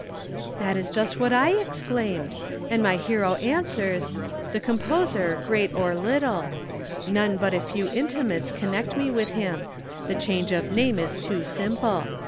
"That is just what I exclaimed. And my hero answers: 'The composer, great or little. None but a few intimates connect me with him. The change of name is too simple.